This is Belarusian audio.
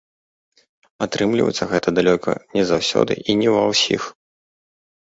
Атрымліваецца гэта далёка не заўсёды і не ва ўсіх.